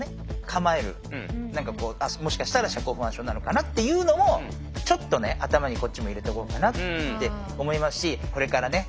構える何かもしかしたら社交不安症なのかなっていうのをちょっとね頭にこっちも入れておこうかなって思いますしこれからね